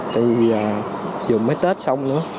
bây giờ dù mới tết xong nữa